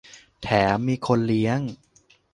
แถมมีคนเลี้ยง